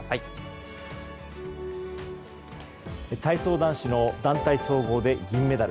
体操男子の団体総合で銀メダル。